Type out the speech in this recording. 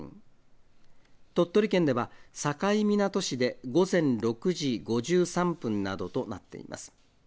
鳥取県では、境港市で午前６時５３分などとなっています。